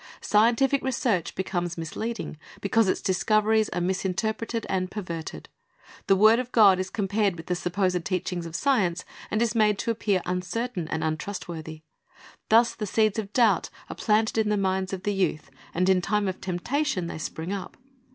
Scientific research becomes misleading, because its discoveries are misinterpreted and perverted. The word of God is com pared with the supposed teachings of science, and is made to appear uncertain and untrustworthy. Thus the seeds of doubt are planted in the minds of the youth, and in time of temptation they spring up.